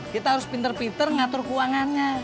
kita harus pinter pinter ngatur keuangannya